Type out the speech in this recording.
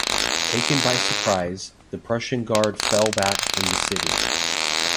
Taken by surprise, the Prussian Guard fell back from the city.